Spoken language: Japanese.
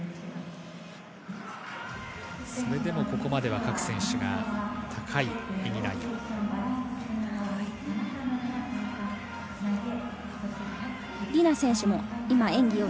それでもここまで各選手が高い演技内容。